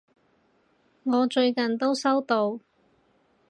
我最近都收到！